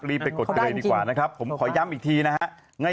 รีบไปกดเตยดีกว่านะครับผมขอย้ำอีกทีนะฮะ